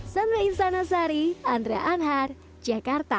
sampai jumpa di andria anhar jakarta